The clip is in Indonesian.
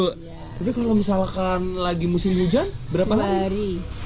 tapi kalau misalkan lagi musim hujan berapa lagi